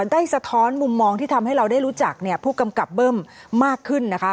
สะท้อนมุมมองที่ทำให้เราได้รู้จักผู้กำกับเบิ้มมากขึ้นนะคะ